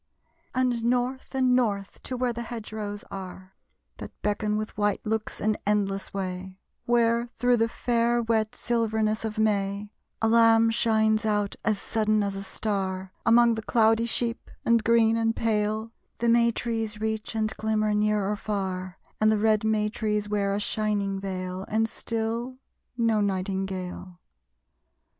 And north and north, to where the hedge rows are, That beckon with white looks an endless way; Where, through the fair wet silverness of May, A lamb shines out as sudden as a star, Among the cloudy sheep; and green, and pale, The may trees reach and glimmer, near or far, And the red may trees wear a shining veil. And still, no nightingale!